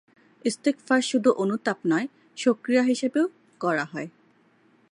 ইস্তিগফার শুধু অনুতাপ নয়, শোকরিয়া হিসেবেও করা হয়।